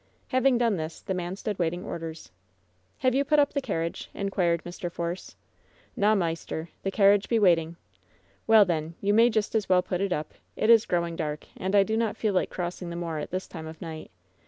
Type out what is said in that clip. Having done this, the man stood waiting orders. *^Have you put up the carriage ?" inquired Mr. Force, "Naw, maister. The carriage be waiting." 'Well, then, you may just as well put it up. It is growing dark, and I do not feel like crossing the moor at this time of night.